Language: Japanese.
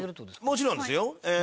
もちろんですよ！ええ。